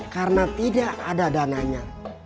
karena tidak ada dananya